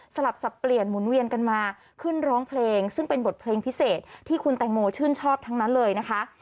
สลับสับเปลี่ยนหมุนเวียนกันมาขึ้นร้องเพลงซึ่งเป็นบทเพลงพิเศษที่คุณแตงโมชื่นชอบทั้งนั้นเลยนะคะ